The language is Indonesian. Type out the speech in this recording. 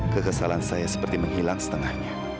kekesalan saya seperti menghilang setengahnya